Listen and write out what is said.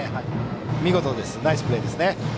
見事、ナイスプレーですね。